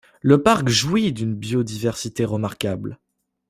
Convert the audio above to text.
Le parc jouit d'une biodiversité remarquable.